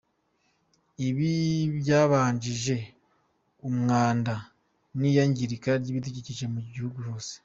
Ibi byagabanyije umwanda n’iyangirika ry’ibidukikije mu gihugu hose.